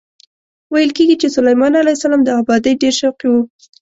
ویل کېږي چې سلیمان علیه السلام د ابادۍ ډېر شوقي و.